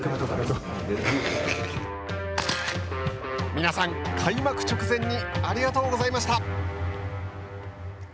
皆さん、開幕直前にありがとうございました。